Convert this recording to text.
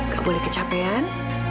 gak boleh kecapean